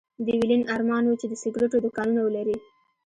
د ويلين ارمان و چې د سګرېټو دوکانونه ولري